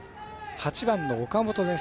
８番の岡本です。